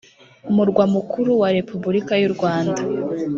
umurwa mukuru wa repubulika y urwanda